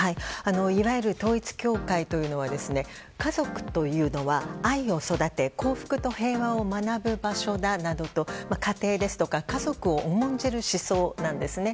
いわゆる統一教会は家族というのは愛を育て、幸福と平和を学ぶ場所だなどと家庭や家族を重んじる思想なんですね。